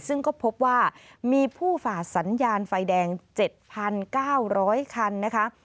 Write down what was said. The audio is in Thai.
ซึ่งก็พบว่ามีผู้ฝาดสัญญาณไฟแดงเจ็ดพันเก้าร้อยคันนะคะ